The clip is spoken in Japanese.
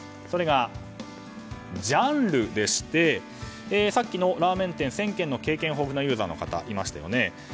それが、ジャンルでしてさっきのラーメン店１０００軒の経験豊富なユーザーいましたよね。